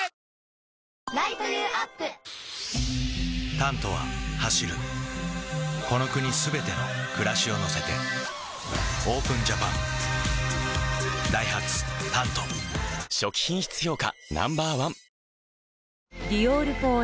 「タント」は走るこの国すべての暮らしを乗せてＯＰＥＮＪＡＰＡＮダイハツ「タント」初期品質評価